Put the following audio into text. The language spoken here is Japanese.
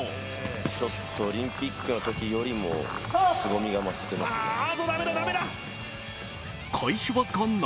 ちょっとオリンピックのときよりもすごみが増してますね。